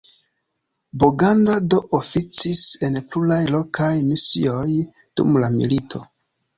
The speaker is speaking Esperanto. Boganda do oficis en pluraj lokaj misioj dum la milito.